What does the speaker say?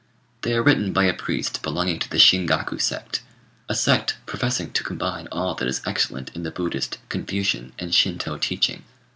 They are written by a priest belonging to the Shingaku sect a sect professing to combine all that is excellent in the Buddhist, Confucian, and Shin Tô teaching.